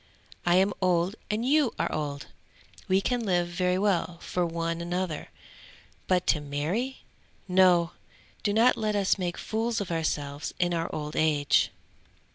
I am old and you are old! We can live very well for one another, but to marry? No! Do not let us make fools of ourselves in our old age."